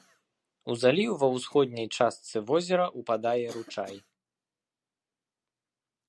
У заліў ва ўсходняй частцы возера ўпадае ручай.